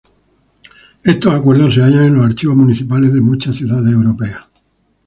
Estos acuerdos se hallan en los archivos municipales de muchas ciudades europeas.